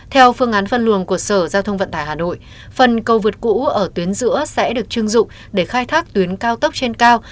theo phương án phân luồng của sở giao thông vận tải hà nội phần cầu vượt cũ ở tuyến giữa sẽ được chưng dụng để khai thác tuyến cao tốc trên cao